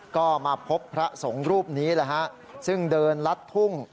ก็มาพบพระสงฆ์รูปนี้แหละฮะซึ่งเดินลัดทุ่ง